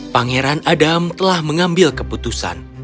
pangeran adam telah mengambil keputusan